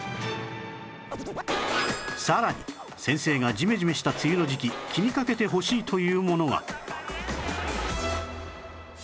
さらに先生がジメジメした梅雨の時期気に掛けてほしいというものは